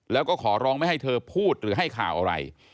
แล้วก็ขอร้องไม่ให้เธอพูดหรือให้ข่าวอะไร